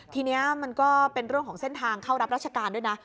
ทีนี้มันก็เป็นเรื่องของเส้นทางเข้ารับราชการด้วยนะ